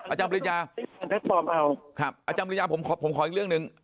อาจารย์บริญญาผมขออีกเรื่องหนึ่ง